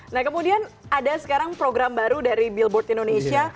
nah kemudian ada sekarang program baru dari billboard indonesia